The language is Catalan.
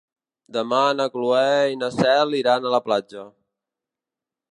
Demà na Cloè i na Cel iran a la platja.